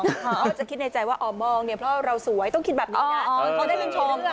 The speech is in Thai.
เขาจะคิดในใจว่าอ๋อมองเนี่ยเพราะเราสวยต้องคิดแบบนี้นะเขาได้เงินชม